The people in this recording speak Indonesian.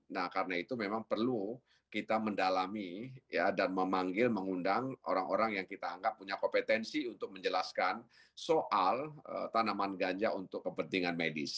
nah karena itu memang perlu kita mendalami dan memanggil mengundang orang orang yang kita anggap punya kompetensi untuk menjelaskan soal tanaman ganja untuk kepentingan medis